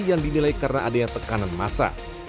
yang dinilai karena adanya tekanan massa